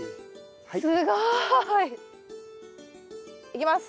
すごい。いきます。